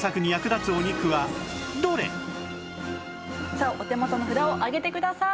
さあお手元の札を上げてください。